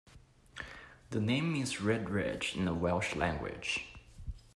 The name means 'red ridge' in the Welsh language.